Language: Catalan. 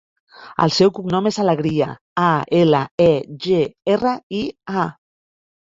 El seu cognom és Alegria: a, ela, e, ge, erra, i, a.